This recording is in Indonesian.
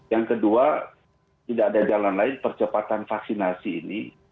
yang kedua tidak ada jalan lain percepatan vaksinasi ini